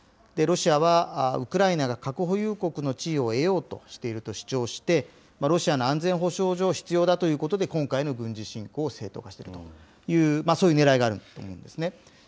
ロシアはウクライナが核保有国の地位を得ようとしていると主張して、ロシアの安全保障上、必要だということで、今回の軍事侵攻を正当化するという、そういうねらいがあると思うんですね。